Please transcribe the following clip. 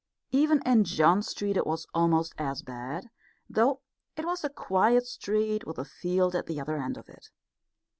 Even in John Street it was almost as bad, though it was a quiet street with a field at the other end of it.